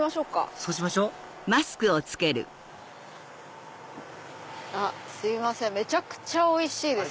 そうしましょめちゃくちゃおいしいです。